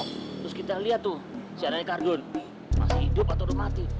terus kita liat tuh si anaknya skardu masih hidup atau udah mati